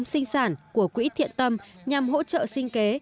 các bê giống sinh sản của quỹ thiện tâm nhằm hỗ trợ sinh kế